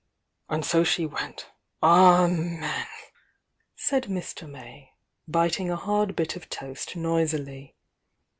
"And so she wentr— Amen!" said Mr. May, biting a hard bit of toast noisily.